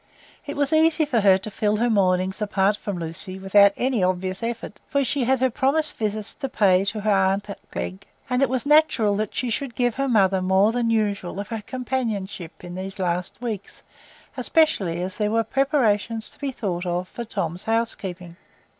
It was easy for her to fill her mornings apart from Lucy without any obvious effort; for she had her promised visits to pay to her aunt Glegg, and it was natural that she should give her mother more than usual of her companionship in these last weeks, especially as there were preparations to be thought of for Tom's housekeeping.